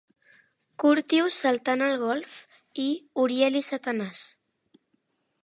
"Curtius saltant al golf" i "Uriel i Satanàs".